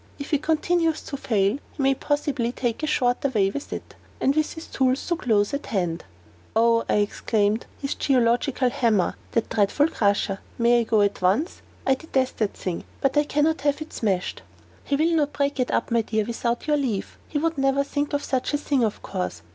"If he continues to fail, he may possibly take a shorter way with it. And with his tools so close at hand " "Oh," I exclaimed, "his geological hammer that dreadful crusher! May I go at once? I detest that thing, but I can not have it smashed." "He will not break it up, my dear, without your leave. He never would think of such a thing, of course.